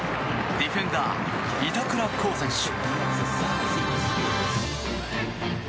ディフェンダー板倉滉選手。